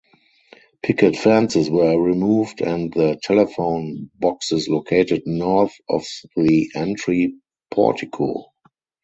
Picket fences were removed and the telephone boxes located north of the entry portico.